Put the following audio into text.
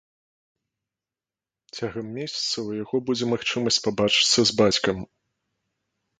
Цягам месяца ў яго будзе магчымасць пабачыцца з бацькам.